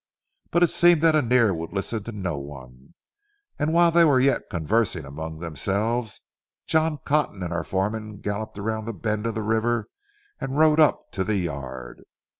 But it seemed that Annear would listen to no one, and while they were yet conversing among themselves, John Cotton and our foreman galloped around the bend of the river and rode up to the yard.